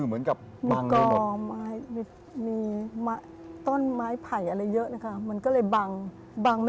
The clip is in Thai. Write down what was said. ห้วยอะไรนะครับ